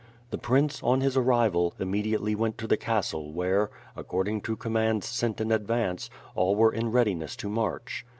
The prince, on his arrival, immediately went to the castle where, according to commands sent in advance, all were in readiness to march.